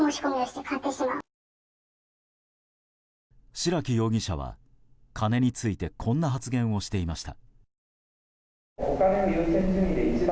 白木容疑者は金についてこんな発言をしていました。